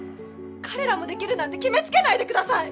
彼らもできるなんて決めつけないでください！